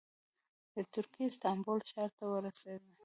د ترکیې استانبول ښار ته ورسېده.